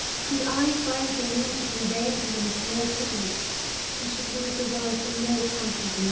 Could I find the means of conveying to him a small pittance, I should leave the world the more comfortably.